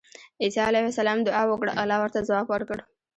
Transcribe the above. عيسی عليه السلام دعاء وکړه، الله ورته ځواب ورکړ